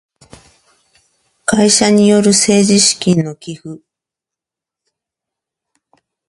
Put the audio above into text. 会社による政治資金の寄付